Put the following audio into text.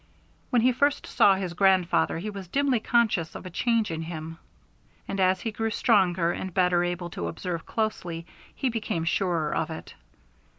When he first saw his grandfather he was dimly conscious of a change in him, and as he grew stronger and better able to observe closely he became surer of it.